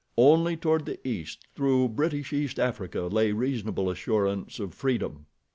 Only toward the east, through British East Africa, lay reasonable assurance of freedom.